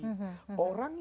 orang yang berkata bahwa